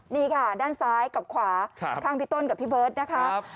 นี่ค่ะด้านซ้ายกับขวาข้างพี่ต้นกับพี่เบิร์ตนะคะ